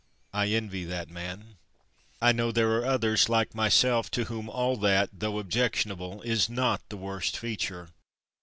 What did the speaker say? I envy that man. I know there are others, like myself, to whom all that, though objectionable, is not the worst feature.